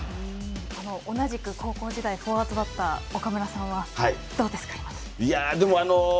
同じく高校時代フォワードだった岡村さんはどうですか？